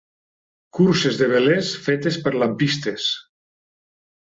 Curses de velers fetes per lampistes.